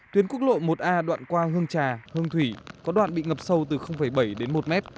tuyến quốc lộ một a đoạn qua hương trà hương thủy có đoạn bị ngập sâu từ bảy đến một mét